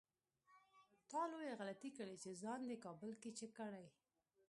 تا لويه غلطي کړې چې ځان دې کابل کې چک کړی.